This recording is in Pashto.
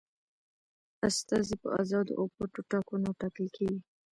استازي په آزادو او پټو ټاکنو ټاکل کیږي.